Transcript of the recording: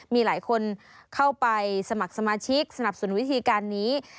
มีหลายคนเข้าไปสมัครสมาชิกสนับสนวิธีการนี้